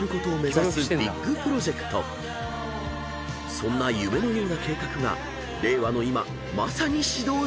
［そんな夢のような計画が令和の今まさに始動しているのだ］